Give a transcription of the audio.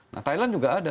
nah thailand juga ada